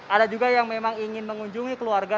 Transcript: ada juga yang memang ingin mengunjungi keluarga